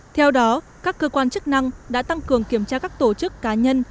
theo đó các cơ quan chức năng đã tăng cường kiểm tra các tổ chức cá nhân